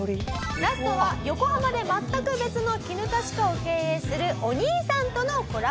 ラストは横浜で全く別のきぬた歯科を経営するお兄さんとのコラボバージョン。